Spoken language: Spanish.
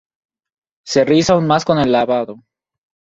Se riza aún más con el lavado.